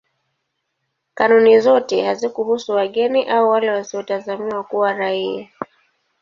Kanuni zote hazikuhusu wageni au wale wasiotazamiwa kuwa raia.